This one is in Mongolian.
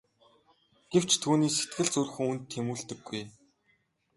Гэвч түүний сэтгэл зүрх үүнд тэмүүлдэггүй.